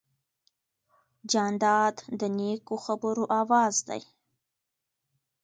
جانداد د نیکو خبرو آواز دی.